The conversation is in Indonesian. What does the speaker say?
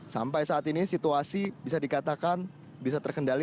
sampai saat ini situasi bisa dikatakan bisa terkendali